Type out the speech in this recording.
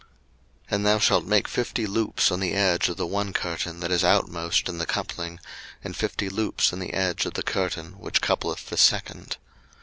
02:026:010 And thou shalt make fifty loops on the edge of the one curtain that is outmost in the coupling, and fifty loops in the edge of the curtain which coupleth the second.